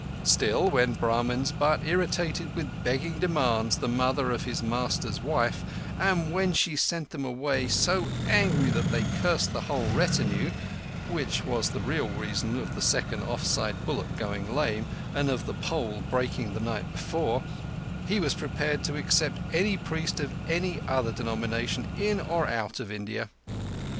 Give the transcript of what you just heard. Still, when Brahmins but irritated with begging demands the mother of his master's wife, and when she sent them away so angry that they cursed the whole retinue (which was the real reason of the second off side bullock going lame, and of the pole breaking the night before), he was prepared to accept any priest of any other denomination in or out of India.